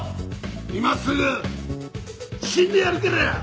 今すぐ死んでやるから！